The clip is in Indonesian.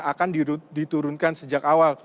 akan diturunkan sejak awal